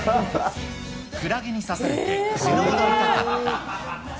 クラゲに刺されて死ぬほど痛かった。